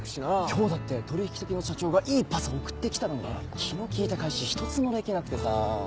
今日だって取引先の社長がいいパス送って来たのに気の利いた返し一つもできなくてさ。